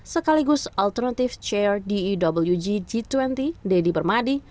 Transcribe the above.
sekaligus alternative chair diwg g dua puluh dedy permadi